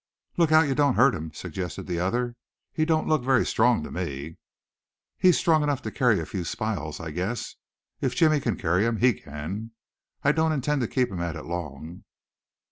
"Look out you don't hurt him," suggested the other. "He don't look very strong to me." "He's strong enough to carry a few spiles, I guess. If Jimmy can carry 'em, he can. I don't intend to keep him at it long."